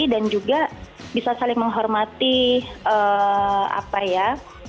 dan juga bisa saling menghormati apa ya